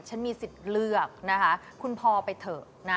ฉันมีสิทธิ์เลือกนะคะคุณพอไปเถอะนะ